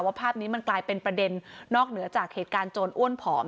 ภาพนี้มันกลายเป็นประเด็นนอกเหนือจากเหตุการณ์โจรอ้วนผอม